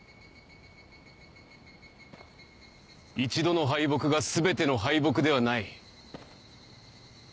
一度の敗北が全ての敗北ではない。